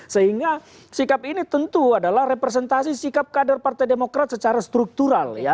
sehingga sikap ini tentu adalah representasi sikap kader partai demokrat secara struktural ya